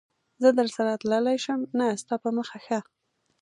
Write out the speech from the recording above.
زه درسره تللای شم؟ نه، ستا په مخه ښه.